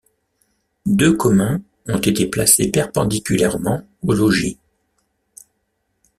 Deux communs ont été placés perpendiculairement au logis.